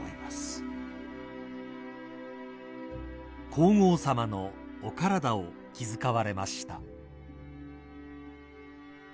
［皇后さまのお体を気遣われました］